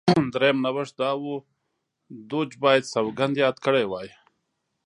درېیم نوښت دا و دوج باید سوګند یاد کړی وای.